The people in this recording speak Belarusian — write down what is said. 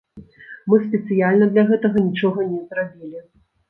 Мы спецыяльна для гэтага нічога не зрабілі.